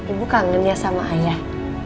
ibu kangen ya sama ayah